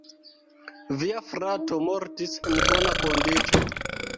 Via frato mortis en bona kondiĉo.